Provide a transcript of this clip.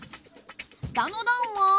下の段は。